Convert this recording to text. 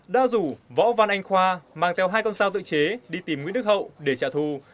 đã rủ võ văn anh khoa mang theo hai con sao tự chế đi tìm nguyễn đức hậu để trả thù